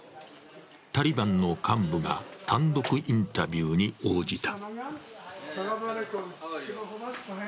タリバンの幹部が単独インタビューに応じた。